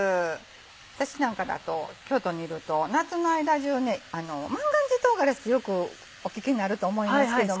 私なんかだと京都にいると夏の間中万願寺とうがらしってよくお聞きになると思いますけども。